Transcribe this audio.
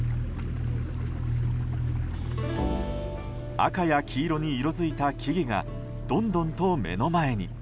赤や黄色に色づいた木々がどんどんと目の前に。